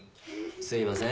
すいません。